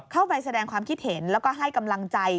เข้าไปแสดงความคิดเห็นแล้วก็ให้กำลังใจ